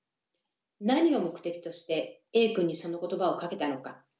何を目的としてＡ君にその言葉をかけたのか？